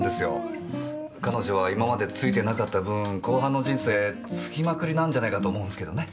彼女は今までツイてなかった分後半の人生ツキまくりなんじゃないかと思うんすけどね。